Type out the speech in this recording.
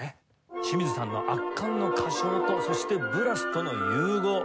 清水さんの圧巻の歌唱とそしてブラスとの融合。